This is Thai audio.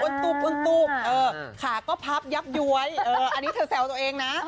ขาก็พับยับย้วยอันนี้เธอแซวตัวเองนะ